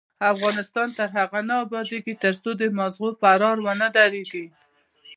افغانستان تر هغو نه ابادیږي، ترڅو د ماغزو فرار ونه دریږي.